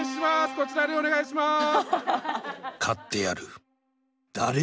こちらでお願いします！